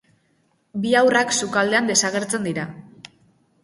Bi haurrak sukaldean desagertzen dira.